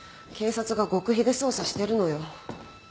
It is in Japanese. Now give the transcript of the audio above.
警察が極秘で捜査してるのよ。